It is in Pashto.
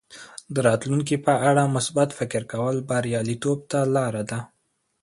د راتلونکي په اړه مثبت فکر کول بریالیتوب ته لاره ده.